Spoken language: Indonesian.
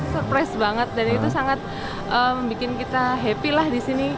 surprise banget dan itu sangat membuat kita happy lah di sini